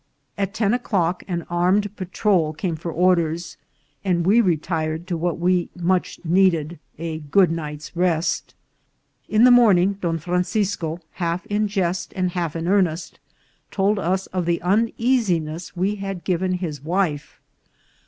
At ten o'clock an armed pa trol came for orders, and we retired to what we much needed, a good night's rest. In the morning Don Francisco, half in jest and half in earnest, told us of the uneasiness we had giv en his wife.